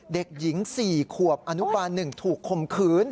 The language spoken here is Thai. เด็กหญิง๔ขวบอนุบาล๑ถูกคมขืน